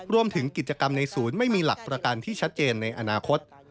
รวมถึงกิจกรรมในศูนย์ไม่มีหลักประกันที่ชัดเจนในอนาคต